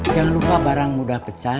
jangan lupa barang mudah pecah